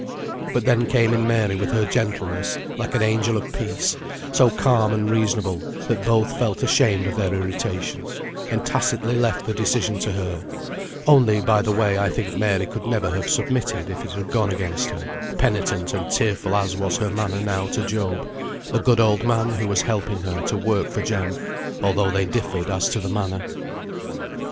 But then came in Margaret with her gentleness, like an angel of peace, so calm and reasonable, that both felt ashamed of their irritation, and tacitly left the decision to her (only, by the way, I think Mary could never have submitted if it had gone against her, penitent and tearful as was her manner now to Job, the good old man who was helping her to work for Jem, although they differed as to the manner).